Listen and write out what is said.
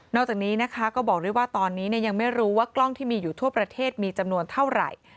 จากนี้นะคะก็บอกด้วยว่าตอนนี้ยังไม่รู้ว่ากล้องที่มีอยู่ทั่วประเทศมีจำนวนเท่าไหร่